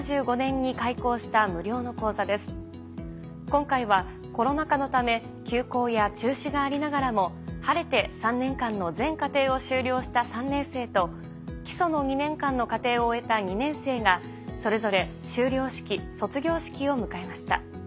今回はコロナ禍のため休講や中止がありながらも晴れて３年間の全課程を終了した３年生と基礎の２年間の課程を終えた２年生がそれぞれ修了式卒業式を迎えました。